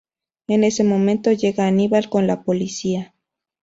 En ese momento llega Aníbal con la policía.